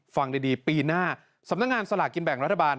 ฟังดีปีหน้าสำนักงานสลากกินแบ่งรัฐบาล